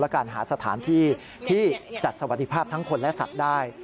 การหาสถานที่ที่จัดสวัสดิภาพทั้งคนและสัตว์ได้